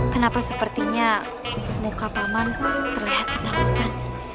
kenapa sepertinya muka paman terlihat ketakutan